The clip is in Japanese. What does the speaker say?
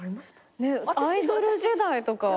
ねっアイドル時代とか。